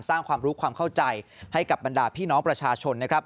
สร้างความรู้ความเข้าใจให้กับบรรดาพี่น้องประชาชนนะครับ